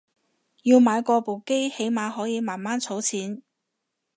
要買過部機起碼可以慢慢儲錢